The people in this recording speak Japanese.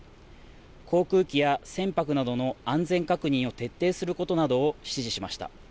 航空機や船舶などの安全確認を徹底することなどを指示しました。